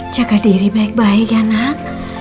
jaga diri baik baik ya nak